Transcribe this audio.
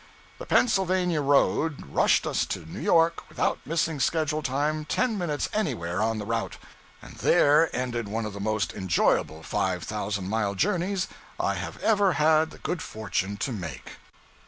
The Pennsylvania road rushed us to New York without missing schedule time ten minutes anywhere on the route; and there ended one of the most enjoyable five thousand mile journeys I have ever had the good fortune to make.